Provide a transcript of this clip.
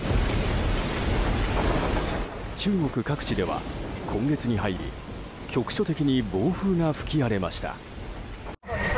中国各地では、今月に入り局所的に暴風が吹き荒れました。